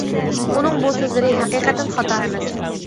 ئۇنىڭ بۇ سۆزلىرى ھەقىقەتەن خاتا ئەمەس.